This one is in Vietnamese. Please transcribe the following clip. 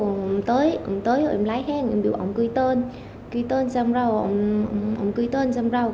ông tới ông tới rồi em lái hàng em bảo ông gửi tên gửi tên xong rồi ông gửi tên xong rồi